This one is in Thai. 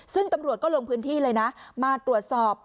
ซึ่งตำรวจก็ลงพื้นที่เลยนะมาตรวจสอบ